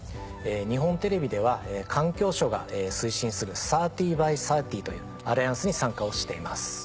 日本テレビでは環境省が推進する「３０ｂｙ３０」というアライアンスに参加をしています。